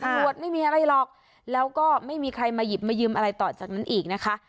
วดไม่มีอะไรหรอกแล้วก็ไม่มีใครมาหยิบมายืมอะไรต่อจากนั้นอีกนะคะ